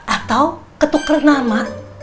atau ketuk renama